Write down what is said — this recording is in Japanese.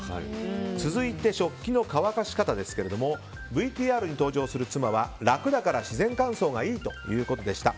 続いて食器の乾かし方ですけどもＶＴＲに登場する妻は楽だから自然乾燥がいいということでした。